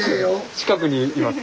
近くにいます。